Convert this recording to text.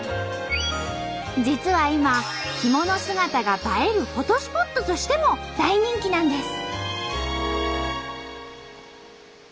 実は今着物姿が映えるフォトスポットとしても大人気なんです。